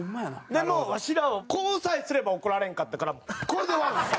でもわしらはこうさえすれば怒られんかったからこれで終わるんです。